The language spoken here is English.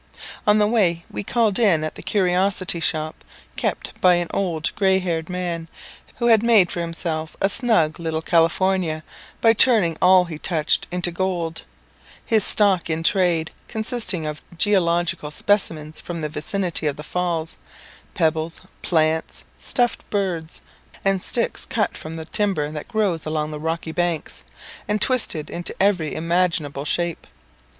On the way we called in at the Curiosity Shop, kept by an old grey haired man, who had made for himself a snug little California by turning all he touched into gold; his stock in trade consisting of geological specimens from the vicinity of the Falls pebbles, plants, stuffed birds, beasts, and sticks cut from the timber that grows along the rocky banks, and twisted into every imaginable shape.